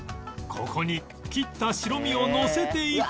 ここに切った白身をのせていけば